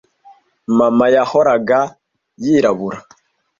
mama yahoraga yirabura